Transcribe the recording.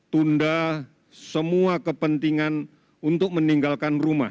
tunda semua kepentingan untuk meninggalkan rumah